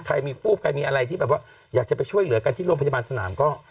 ใครมีคู่ใครมีอะไรที่แบบว่าอยากจะไปช่วยเหลือกันที่โรงพยาบาลสนามก็